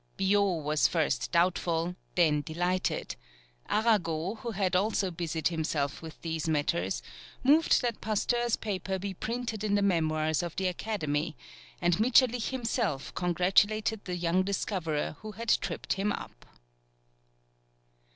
Biot was first doubtful, then delighted; Arago, who had also busied himself with these matters, moved that Pasteur's paper be printed in the memoirs of the Academy, and Mitscherlich himself congratulated the young discoverer who had tripped him up.